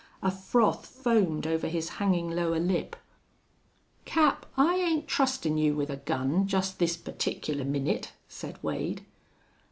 A froth foamed over his hanging lower lip. "Cap, I ain't trustin' you with a gun just this particular minute," said Wade.